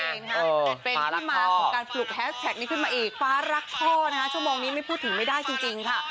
แต่เป็นที่มาของการปลุกแฮสแท็กนี้ขึ้นมาอีกฟ้ารักพ่อนะคะชั่วโมงนี้ไม่พูดถึงไม่ได้จริงค่ะ